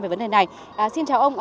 về vấn đề này xin chào ông